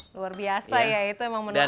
luar biasa ya itu emang menandalan